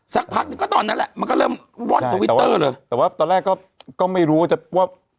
สักพักหนึ่งก็ตอนนั้นแหละมันก็เริ่มว่อนทวิตเตอร์เลยแต่ว่าตอนแรกก็ก็ไม่รู้ว่าจะว่า